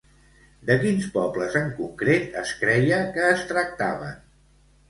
De quins pobles en concret es creia que es tractaven?